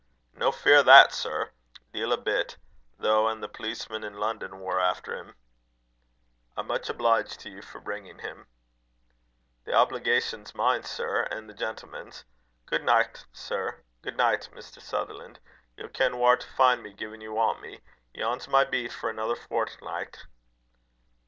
"No fear o' that, sir. Deil a bit! though a' the policemen i' Lonnon war efter 'im." "I'm much obliged to you for bringing him." "The obligation's mine sir an' the gentleman's. Good nicht, sir. Good nicht, Mr. Sutherlan'. Ye'll ken whaur to fin' me gin ye want me. Yon's my beat for anither fortnicht."